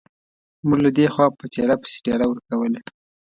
موږ له دې خوا په ټېله پسې ټېله ورکوله.